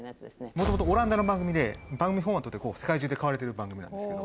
元々オランダの番組で番組フォーマットで世界中で買われてる番組なんですけど。